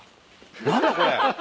何だこれ。